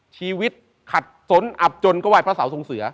ชีวิตขัดสนอับจนก็ไห้พระเสาทรงเสือ